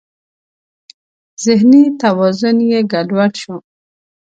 ذهني توازن یې ګډ وډ شو.